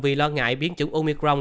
vì lo ngại biến chủng omicron